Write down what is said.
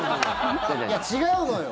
いや、違うのよ！